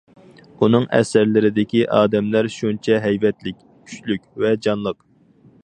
ئۇنىڭ ئەسەرلىرىدىكى ئادەملەر شۇنچە ھەيۋەتلىك، كۈچلۈك ۋە جانلىق.